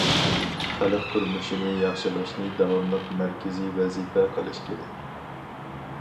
خەلق تۇرمۇشىنى ياخشىلاشنى داۋاملىق مەركىزىي ۋەزىپە قىلىش كېرەك.